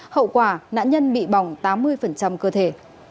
hậu quả nạn nhân bị bỏng tám mươi cơ thể